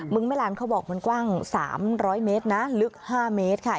แม่ลานเขาบอกมันกว้าง๓๐๐เมตรนะลึก๕เมตรค่ะ